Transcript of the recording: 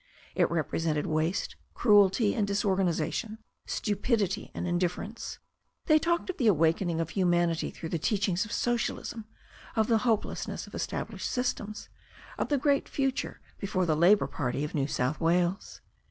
It rep resented waste, cruelty and disorganization, stupidity and indifference. They talked of the awakening of humanity through the teachings of socialism, of the hopelessness of established systems, of the great future before the Labour Party of New South Wales.